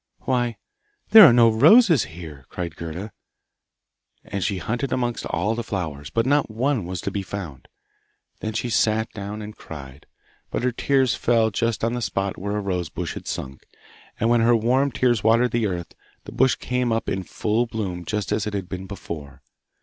'Why, there are no roses here!' cried Gerda,, and she hunted amongst all the flowers, but not one was to be found. Then she sat down and cried, but her tears fell just on the spot where a rose bush had sunk, and when her warm tears watered the earth, the bush came up in full bloom just as it had been before.